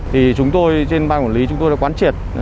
thì chúng tôi trên bang quản lý chúng tôi đã quán triệt